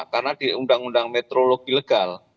karena di undang undang metrologi legal